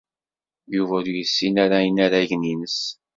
Yuba ur yessin ara inaragen-nnes.